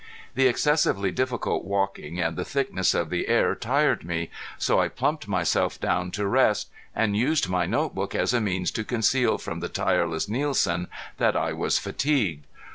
The excessively difficult walking and the thickness of the air tired me, so I plumped myself down to rest, and used my note book as a means to conceal from the tireless Nielsen that I was fatigued.